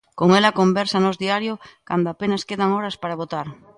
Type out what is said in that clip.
Con ela conversa Nós Diario cando apenas quedan horas para votar.